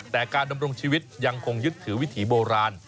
แต่การดำรงชีวิตยังคงยึดถือวิถีโบราณ